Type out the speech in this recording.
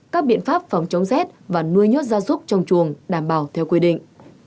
các biện pháp phòng chống rét và nuôi nhốt gia súc trong chuồng đảm bảo theo quy định